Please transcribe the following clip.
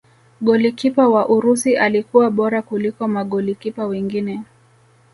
golikipa wa urusi alikuwa bora kuliko magolikipa wengine